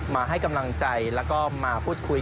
มาให้กำลังใจแล้วก็มาพูดคุย